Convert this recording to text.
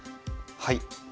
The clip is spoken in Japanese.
はい。